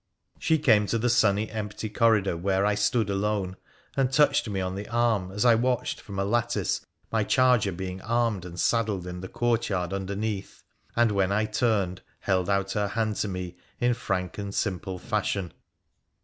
She came to the sunny empty corridor where I stood alone, and touched me on the arm as I watched from a lattice my charger being armed and saddled in the courtyard underneath, and when I turned held out her hand to me in frank and simple fashion.